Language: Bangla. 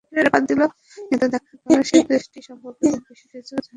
কিন্তু দেখা গেল সেই দেশটি সম্পর্কে খুব বেশি কিছু আমরা জানি না।